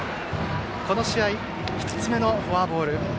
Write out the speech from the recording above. この試合、１つ目のフォアボール。